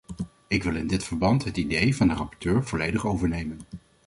Ik wil in dit verband het idee van de rapporteur volledig overnemen.